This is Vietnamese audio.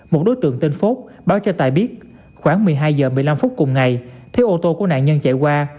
một đối tượng tên phốt báo cho tài biết khoảng một mươi hai h một mươi năm phút cùng ngày thấy ô tô của nạn nhân chạy qua